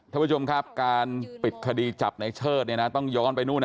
ท่านผู้ชมครับการปิดคดีจับในเชิดต้องย้อนไปนู่น